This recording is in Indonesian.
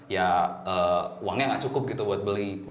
ya uangnya nggak cukup gitu buat beli